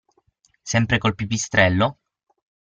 Sempre col pipistrello?